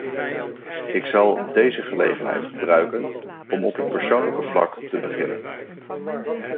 Ik zal deze gelegenheid gebruiken om op het persoonlijke vlak te beginnen.